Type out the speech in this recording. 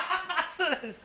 そうなんです